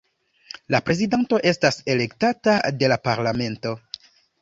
La prezidanto estas elektata de la parlamento.